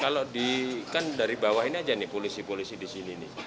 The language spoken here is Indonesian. kalau di kan dari bawah ini aja nih polisi polisi di sini nih